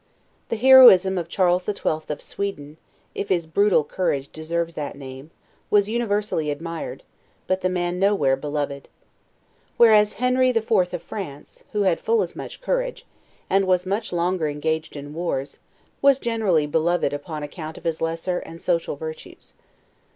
The heroism of Charles XII. of Sweden (if his brutal courage deserves that name) was universally admired, but the man nowhere beloved. Whereas Henry IV. of France, who had full as much courage, and was much longer engaged in wars, was generally beloved upon account of his lesser and social virtues.